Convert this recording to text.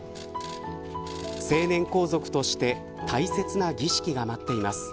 成年皇族として大切な儀式が待っています。